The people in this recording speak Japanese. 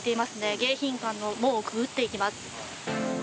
迎賓館の門をくぐっていきます。